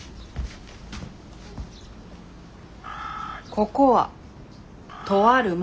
ここはとある森。